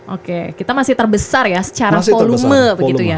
oke kita masih terbesar ya secara volume begitu ya